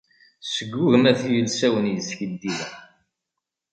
Sgugem at yilsawen yeskiddiben.